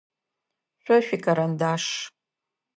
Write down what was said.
Шъо шъуикарандаш.